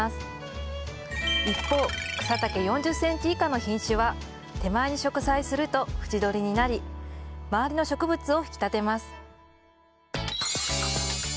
一方草丈４０ｃｍ以下の品種は手前に植栽すると縁取りになり周りの植物を引き立てます。